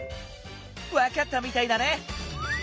わかったみたいだね！